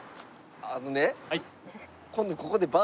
あのね。